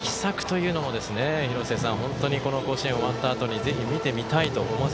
生徒たちの力作というのも本当にこの甲子園終わったあとにぜひ見てみたいと。